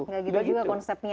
enggak gitu juga konsepnya ya